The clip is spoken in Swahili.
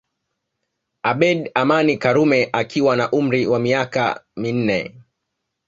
Abeid Amani Karume akiwa na umri wa miaka minne